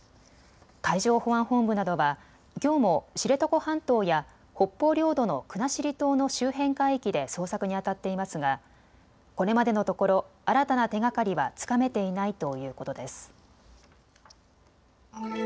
海上保安本部などはきょうも知床半島や北方領土の国後島の周辺海域で捜索にあたっていますがこれまでのところ新たな手がかりはつかめていないということです。